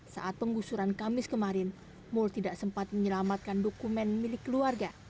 saat penggusuran kamis kemarin mul tidak sempat menyelamatkan dokumen milik keluarga